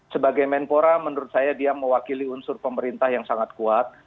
sebagai menpora menurut saya dia mewakili unsur pemerintah yang sangat kuat